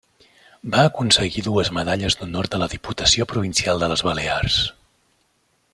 Va aconseguir dues medalles d'honor de la Diputació Provincial de les Balears.